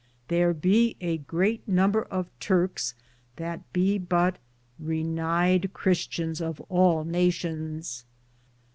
Thar be a greate number of Turks that be but Renied^ cristians of all nations.